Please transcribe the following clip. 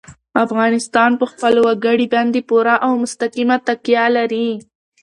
افغانستان په خپلو وګړي باندې پوره او مستقیمه تکیه لري.